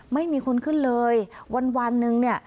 ไม่มีคนขึ้นเลยวันหนึ่งเนี่ย